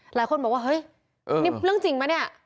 หลายคนบอกว่าเฮ้ยนี่เรื่องจริงปะเนี่ย